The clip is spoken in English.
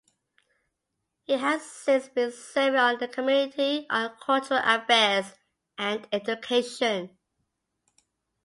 He has since been serving on the Committee on Cultural Affairs and Education.